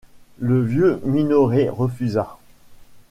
Le vieux Minoret refusa.